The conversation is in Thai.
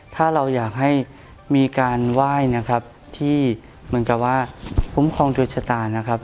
ถ้าเราอยากให้มีการไหว้นะครับที่เหมือนกับว่าคุ้มครองโดยชะตานะครับ